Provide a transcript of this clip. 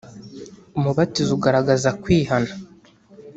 umubatizo ugaragaza kwihana